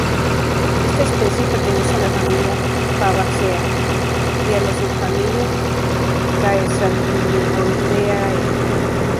Esta especie pertenece a la familia Fabaceae; y a la subfamilia Caesalpinioideae.